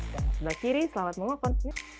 dan sebelah kiri selamat mengokon